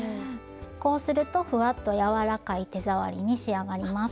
こうするとふわっと柔らかい手触りに仕上がります。